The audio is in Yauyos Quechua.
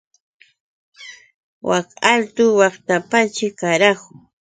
Wak altu waqtapaćhr, ¡karahu!